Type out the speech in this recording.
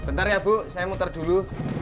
bentar ya bu saya muter dulu